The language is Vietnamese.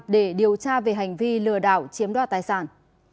để điều tra về hành vi lừa đảo chiếm đoạt tài sản